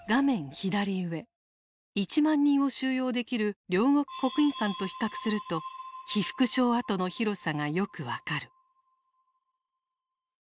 左上１万人を収容できる両国国技館と比較すると被服廠跡の広さがよく分かる。